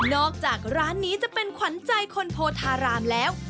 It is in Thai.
อกจากร้านนี้จะเป็นขวัญใจคนโพธารามแล้ว